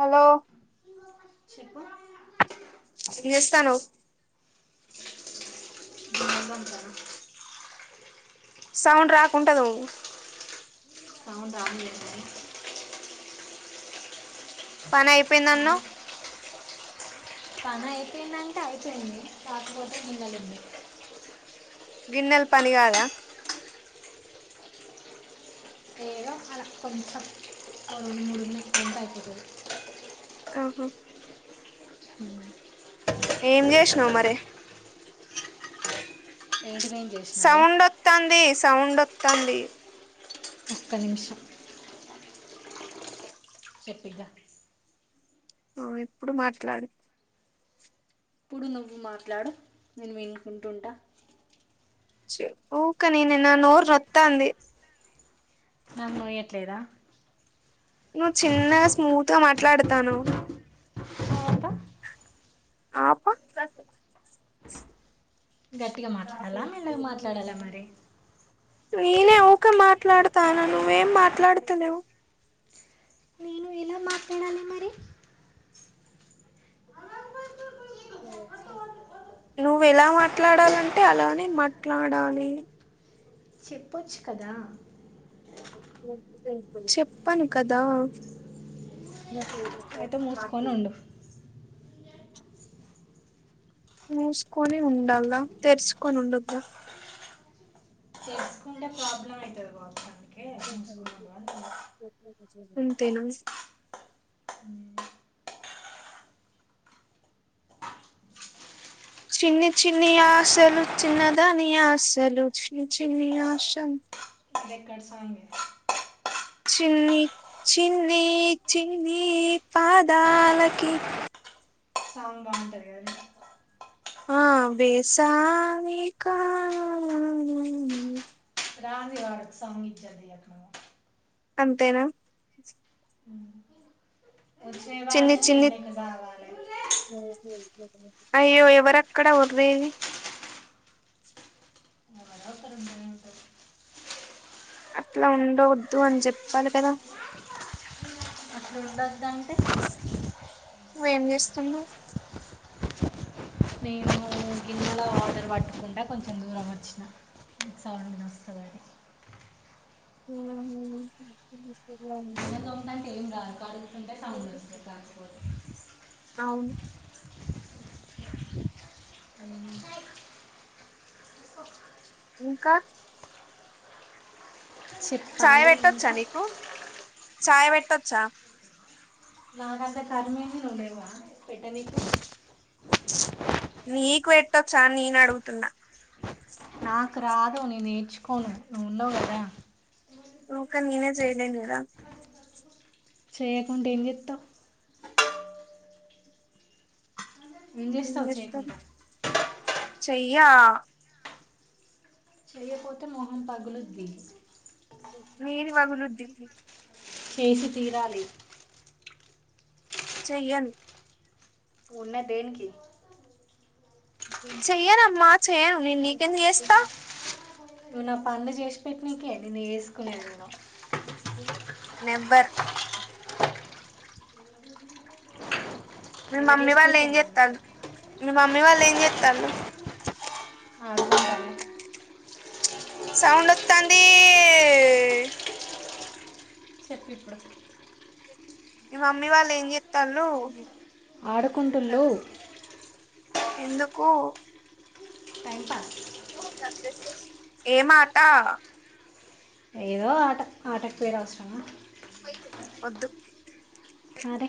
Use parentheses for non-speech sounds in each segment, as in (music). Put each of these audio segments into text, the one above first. Hollow చెప్ప చేస్తానౌ (inaudible) sound రాకుంటదూ sound (unintelligible) పనైపోయిందన్నవ్ పనైపోయిందంటే అయిపోయింది కాకపోతే గిన్నెలున్నై గిన్నెల్ పని కాదా ఏదో అలా కొంచెం రెండు మూడు ఉన్నాయ్ తొంతే అయిపోతది ఆహా ఉం ఏం చేస్నవ్ మరే ఏం సౌండ్ ఒత్తాంది సౌండూ తందీ ఒక్క నిమిషం చెప్పిగా ఆ ఇప్పుడు మాట్లాడు ఇప్పుడు నువ్వు మాట్లాడు నేను వినుకుంటుంటా చెప్పు ఊక నేనేనా నోరు నొత్తాంది నాక్ నొయ్యట్లేదా నువ్వు చిన్నగా స్మూత్ గా మాట్లాడతానవ్ తర్వాత ఆబా గట్టిగా మాట్లాడాలా మెల్లాగా మాట్లాడాలా మరి నేనే ఊక మాట్లాడతానా నువ్వేం మాట్లాడతలేవు నేను ఎలా మాట్లాడాలి మరి నువ్వు ఎలా మాట్లాడాలంటే అలానే మాట్లాడాలి చెప్పొచ్చు కదా చెప్పను కదా ఐతే మూసుకోనుండూ. మూసుకోని ఉండాలా తెరుసుకొని ఉండొద్ద. చేసుకుంటే ప్రాబ్లం అవుతుంది కావచ్చు అందుకే మూసుకున్నాడు అని ఇంతేనా. చిన్ని చిన్ని ఆశలు చిన్నదాని ఆశలు చిన్ని చిన్ని ఆశలు. తింటంది. చిన్ని చిన్నీ చిన్నీ పాదాలకి. సాంగ్ బాగుంటుంది కదా ఆ వేసామికా. ఆ సాంగ్ ఇజ్జత్ తీయకు నువ్వు. అంతేనా. నువ్వు వచ్చినవి చిన్ని వాడితేనే ఈయన చిన్ని. లెక్క సాగాలి అయ్యో ఎవరక్కడ వొర్రే. ఎవరో ఒకరు ఉంటూనే ఉంటారు అట్లా ఉండవద్దు అని చెప్పాలి కదా. ఉండదంటే నువ్వేం చేస్తున్నావు నేను గిన్నెలో ఆర్డర్ పట్టుకుంటడా కొంచెం దూరం వచ్చినకు నీకు సౌండ్ ఇనస్తదని ఉం మీ అన్న తోంతంటే ఏం రాదు కాడుగుతుంటే సౌండ్ వస్తది కాకపోతే అవును అని ఇంకా. చాయ్ చెప్పాలి పెట్టొచ్చా ఇంకా నీకు. చాయ్ పెట్టొచ్చ. నాకంతా కర్మేంది నువ్వు లేవ పెట్టనీకి. నీకు ఎట్టొచా నేను అడుగుతున్నా. నాకు రాదు నేనేర్చుకోను నువ్వున్నావు గదా. ఒకా నేనె చేయలేను గదా. చేయకుంటే ఏం జెత్తవ్. ఏం చేస్తావు చేయకుండా చెయ్యా చేయపోతే మొహం పగులుద్ది. నీది పగులుద్ది. చేసి తీరరేయ్. చెయ్యన్. ఉన్న దేనికి. చెయ్యనమ్మా చెయ్యను నీన్ నీకేందుకుజేస్తా. నువ్వు నా పన్లూ జ్యేష్పెట్నికే నిన్ను ఏసుకునేది నేను. నెబర్. మీ ఎవరు మమ్మీ చేసి వాళ్ళు ఏం పెట్టాను అన్నట్టు జెత్తండ్రు మీ మమ్మీ వాళ్ళు ఏం జెత్తండ్రు. అ (unintelligible) సౌండ్ వత్తంది. చెప్పిప్పుడు. మీ మమ్మీ వాళ్ళు ఏం జెత్తండ్రు. ఆడకుంటోల్లోవ్. ఎందుకు. టైంపాస్ ఏమాట ఏదో ఆట ఆటకి పేరు అవసరమా వద్దు అరే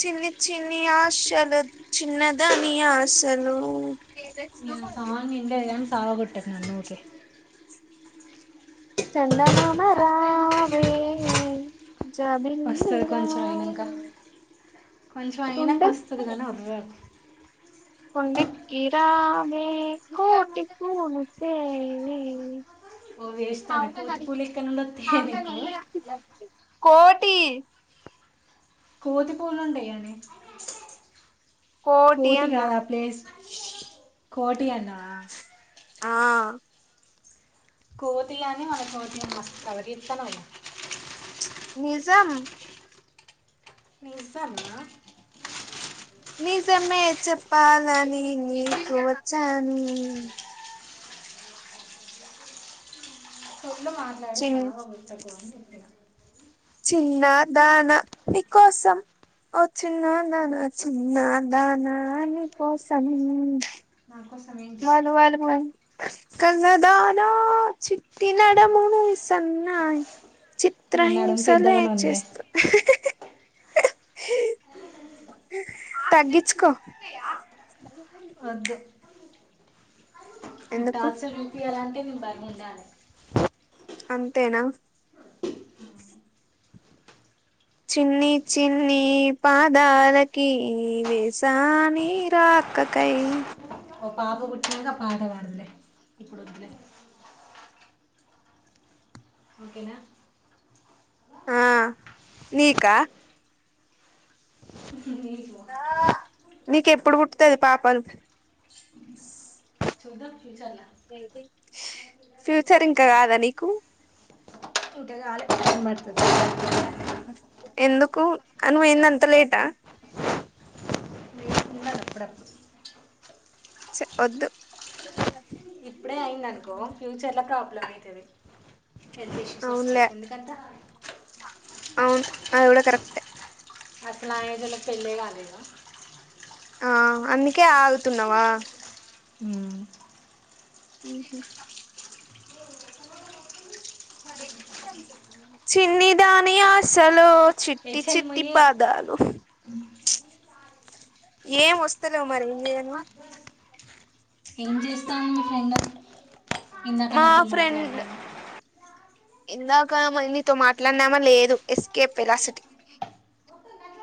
చిన్ని చిన్ని ఆసలు చిన్నదాని ఆసలు ఏ సాంగ్ ఏంట గానీ చావగొట్టకు నన్ను ఊకె చందమామ రావే జాబిల్లి వస్తుంది కొంచెం అయినాక రావే కొంచెం కొండ అయినాక వస్తుందికదా వర్రకు కొండాకి రావే కోటి పులుతేవే ఓ వేస్ట్ దాన కోతిపులెక్కడ్నుండోత్తయే నీకు. కోటీ. కోతిపోనుండయినే. కోటీ అన్న. కోటి అన్నావా. ఆ కోతిగాని మన కోటి అని మస్త కవర్ చేస్తున్నావ ఈగ నిజం నిజమ్మ నిజమే చెప్పాలని నీకు వచ్చాను చిన్ (inaudible) చిన్న దాన నీ కోసం ఓ చిన్న దాన చిన్న దానా నీ కోసం. నా కోసం ఏంటి వాలు వాలు వాల్ కలదానా చిట్టినడుమును ఇసన్నాయ నా నడుము చిత్రహింసలే పెద్దగానే ఉంది చేస్త తగ్గించకో వధూ మీ ఎందుకు టాల్చ రూపి అలా అంటే నేను బరిగు ఉండేాలి అంతేనా చిన్ని చిన్ని పాదాలకి వేసానీ రాకకై ఓ పాప పూట్టాకా పాఠ వాడదులే ఇప్పుడు వదులే ఓకేనా ఆ నీకా నీకు నీకెప్పుడు పుట్టతుది పాపా చూద్దాం ఫ్యూచర్లో ఫ్యూచర్ ఇంకా కాదా నీకు ఇంకాగాాలే (unintelligible) ఎందుకు అని పోయింది అంత లేటా వేసుకున్నాను అప్పుడప్పుడు స వద్దు అయింది అనుకో ఫ్యూచర్ లా ప్రాబ్లమ్ అవుతుది హెల్త్ ఇష్యూస్ వస్తాయి అవునులే ఎందుకంటే అవును అది కూడా కరెక్టే అసలు నా ఏజ్ వాళ్లకు పెళ్ళే కాలేదు ఆ అందుకే ఆగుతున్నావా హ్మ్మ్ ఆహ చిన్ని దాని ఆశలో చిట్టి హెచ్ఎల్ చిట్టి మొయ్యి పాదాలు ఏం వస్తలేవ్ మరి ఏం చేయనుమా ఏం చేస్తాను మీ ఫ్రెండ్ మా ఇందాకన్నా అతను ఫ్రెండ్ మాట్లాడినామే ఇందాక మ నీతో మాట్లాడినామా లేదు ఎస్కేప్ పెలాసిటీ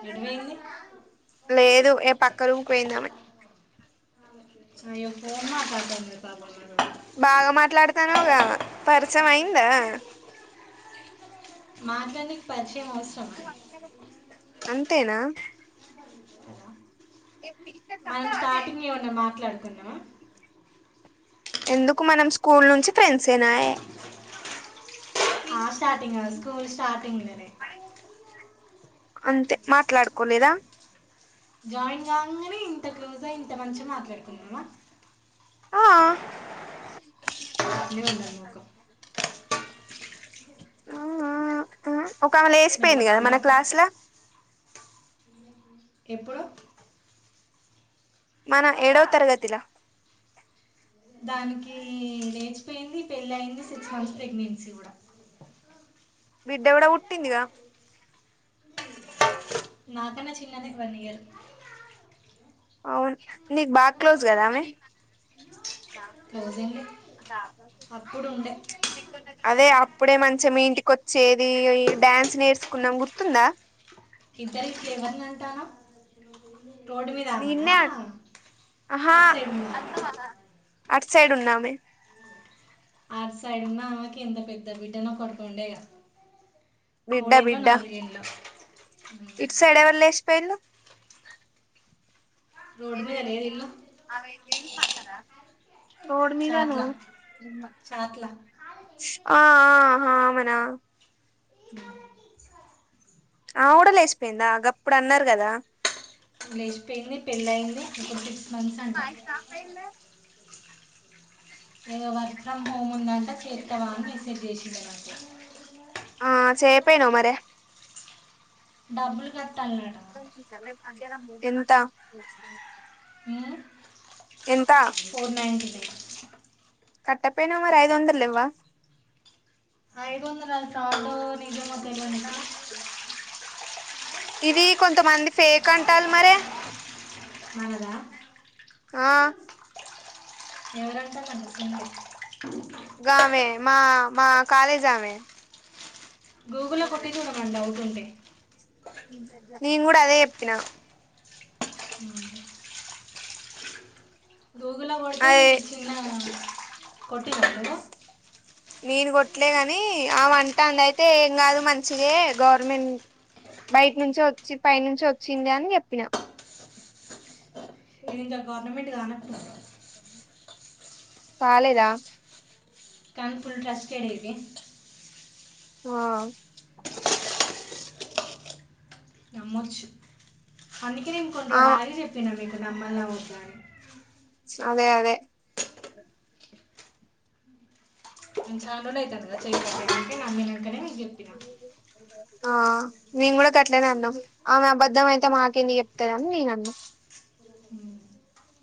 ఎడవయింది లేదు ఏపక్క రూమ్ కి పోయిందామే అ ఫోన్ మా కదా మరు బబా మ బాగా మాట్లాడతానువుగా పరిచయం అయిందా మాట్లాడానిక్ పరీ ే అ అంతేనా కదా మనం స్టార్టింగ్ ఏ ఉన్నా మాట్లాడుకుంట ఎందుకు మనం స్కూల్ నుంచి ఫ్రెండ్స్ అ నయే ఆ స్టార్టింగ్ స్కూల్ స్టార్టింగ్ అంతే మాట్లాడుకోలేదా జాయిన్ కాగానే ఇంత క్లోజ్ ఇంత మంచిగా మాట్లాడుకున్నమా ఆ అన్న ఉంద నోకు ఆ ఒకామె లేసిపోయింది కదా మన మెల్లమెల్లగా పని క్లాస్ లో ఎప్పుడు మన ఏడవ తరగతిలా దానికి లేచిపోయింది పెళ్లిి అయింది సిక్స్ మంత్స్ ప్రెగ్నెన్సీ కూడా బిడ్డ కూడా పూట్టిందిగా నాకైన్న చిన్నది వన్ ఇయర్ అవును నీకు బాగా క్లోజ్ కదా ఆమె క్లోజ్ అండి అప్పుడు ఉండే అదే అప్పుడే మంచిగా మీ ఇంటికిొచ్చేది డ్యాన్స్ నేర్చుకున్నాం గుర్తుందా ఇద్దరి ఫ్లేవర్ నంటాన్నవ్ రోడ్ మీద ఆమనా నిన్నే అటు సైడ్ ఉన్నామనా అట్ సైడ్ ఉన్నా ఆమే ఆ సైడ్ ఉన్న ఆమేకి ఎంత పెద్ద బిడ్డనో కొడుకొ వుండె గా మూడు ఏండ్లో నాలుగు ఏండ్లో ఇట్ సైడ్ ఎవరు లేస్ పేర్లు రోడ్ మీద లేదు ఇళ్లు పాతద రోడ్ మీదన చాట్ల ఆ ఆ ఆ మనా మన ఆ కూడా లేచిపోయిందా గప్పుడు అన్నారు కదా లేసిపేయింది పెళ్ళి అయింది ఇప్పుడు మంత్స్ అంట పాయ్ స్టాఫ్ అయిందా ఏదో వర్క్ ఫ్రమ్ హోమ్ ఉందంటా చేత్తావా అని మెసేజ్ చేసిండ నాకు ఆ చేయపోయినావు మరే డబ్బులు కర్ (inaudible) ఎంత ఎంత ఫోర్ నైన్టీ నైన్ కట్టపోయినా మరి ఐదు వందలు లెవ్వ ఐదువందల (unintelligible) కేజి వత్తాయ్ దానికి ఇది కొంతమంది ఫేక్ అంటాల మరే మనద ఆ ఎవరుంటారు అంత సీన్ లే గామె మా మా కాలేజ్ ఆమే గూగుల్లో కొట్టి చూడ మను డౌట్ ఉంటే నేను గూడ అదే ఎప్పినా ఉమ్ దూగుల్లొ గొడితే అదే ఇది చిన్న కొట్టి నావ నువ్వు నేను కొట్లే గాని ఆమ అంటాండ అయితే ఏం కాదు మంచిదే గవర్నమెంట్ బయట నుంచి వచ్చి పై నుంచి వచ్చింది అని చెప్పినా ఇంగ గవర్నమెంట్ గానొచ్చిం కాలేదా కన్ ఫూల్ ట్రస్టె ఇది ఆ నమ్మొచ్చు అందుకే నిను ఆ కొన్నిరోలు ఆగే చెప్పినా మీకు నమ్మల్లా వద్ద అని అదే అదే హు చానా రోజులు అయితాంది కదా (unintelligible) నమ్మినంకనే ఏ ఆ మేం కూడా గట్టలేన అన్నం ఆమె అబద్ధం అయితే మాకేందుకు చెప్తది అని నేనన్న హ